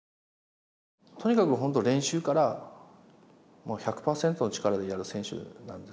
とにかく本当練習から１００％の力でやる選手なんですよ。